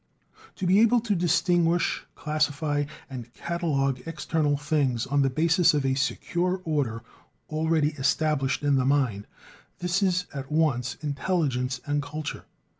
To be able to distinguish, classify, and catalogue external things on the basis of a secure order already established in the mind this is at once intelligence and culture.